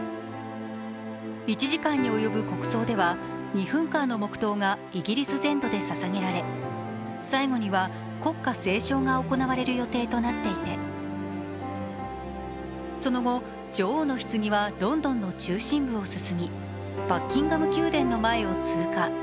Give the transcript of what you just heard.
１時間に及ぶ国葬では２分間の黙とうがイギリス全土でささげられ最後には、国歌斉唱が行われる予定となっていて、その後、女王のひつぎはロンドンの中心部を進み、バッキンガム宮殿の前を通過。